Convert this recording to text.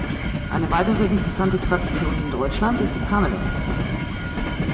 Eine weitere interessante Tradition in Deutschland ist die Karnevalszeit.